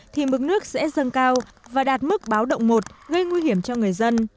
thì mức nước sẽ dâng cao và đạt mức báo động một gây nguy hiểm cho người dân